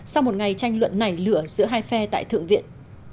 sau một ngày tranh luận nảy lửa giữa hai phe tại thượng viện